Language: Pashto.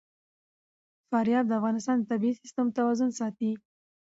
فاریاب د افغانستان د طبعي سیسټم توازن ساتي.